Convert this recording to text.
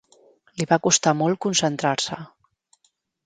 Li va costar molt concentrar-se.